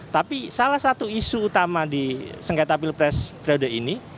tapi salah satu isu utama di sengketa pilpres periode ini